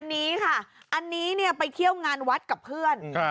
อันนี้ค่ะอันนี้เนี่ยไปเที่ยวงานวัดกับเพื่อน